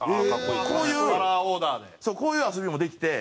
そうこういう遊びもできて。